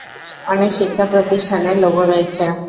অনেক শিক্ষা প্রতিষ্ঠানে লোগো রয়েছে।